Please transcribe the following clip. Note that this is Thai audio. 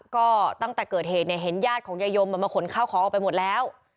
ก็ตั้งแต่เกิดเหตุเนี่ยเห็นญาติของยายมมาขนข้าวของออกไปหมดแล้ว